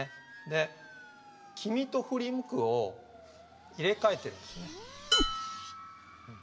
で「君」と「振り向く」を入れ替えてるんですね。